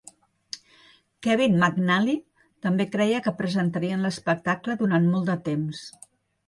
Kevin McNally també creia que presentarien l'espectacle durant molt de temps.